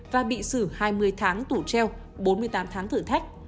và bị xử hai mươi tháng tù treo bốn mươi tám tháng thử thách